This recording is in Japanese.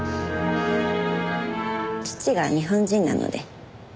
父が日本人なので。